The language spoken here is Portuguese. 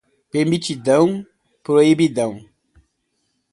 permitidão, proibidão